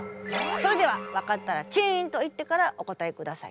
それでは分かったらチンと言ってからお答えください。